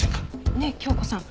ねえ杏子さん。